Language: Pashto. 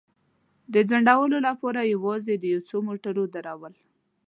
د ځنډولو لپاره یوازې د یو څو موټرو درول.